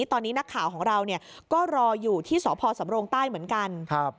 ตอนนี้นักข่าวของเราก็รออยู่ที่สพสำโรงใต้เหมือนกัน